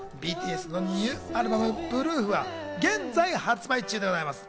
ＢＴＳのニューアルバム『Ｐｒｏｏｆ』は現在発売中でございます。